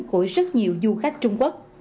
của rất nhiều du khách trung quốc